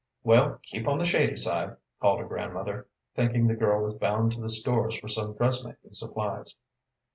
"Well, keep on the shady side," called her grandmother, thinking the girl was bound to the stores for some dressmaking supplies.